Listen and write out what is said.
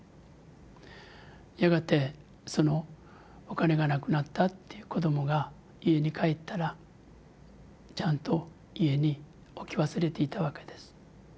やがてそのお金がなくなったっていう子どもが家に帰ったらちゃんと家に置き忘れていたわけです。